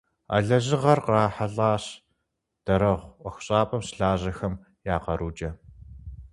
А лэжьыгъэр кърахьэлӀащ «Дарэгъу» ӀуэхущӀапӀэм щылажьэхэм я къарукӀэ.